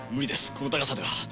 この高さでは。